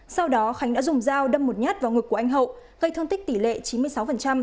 sau đó khánh đã dùng dao đâm một nhát vào ngực của anh hậu gây thương tích tỷ lệ chín mươi sáu